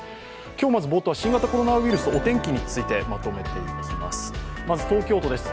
今日、冒頭、新型コロナウイルスお天気についてまとめていきます。